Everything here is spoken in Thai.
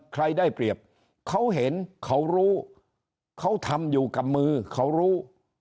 ใครได้เปรียบเขาเห็นเขารู้เขาทำอยู่กับมือเขารู้